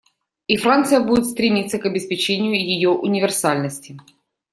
И Франция будет стремиться к обеспечению ее универсальности.